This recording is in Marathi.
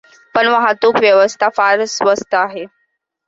पण वाहतूक व्यवस्था फार स्वस्त आहे.